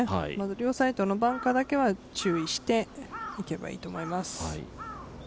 両サイドのバンカーだけは注意していけばいいと思います。